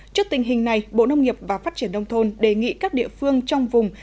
trước tình hình này bộ nông nghiệp và phát triển nông thôn đề nghị các địa phương trong vùng